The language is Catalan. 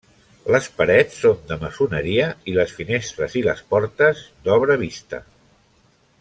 Les parets són de maçoneria i les finestres i les portes, d'obra vista.